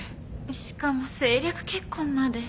しかも政略結婚まで。